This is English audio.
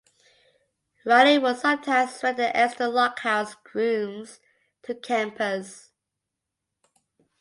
Riley would sometimes rent the extra lock house rooms to campers.